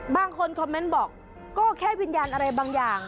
บางคนคอมเมนต์บอกก็แค่วิญญาณอะไรบางอย่าง